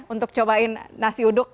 untuk cobain nasi uduk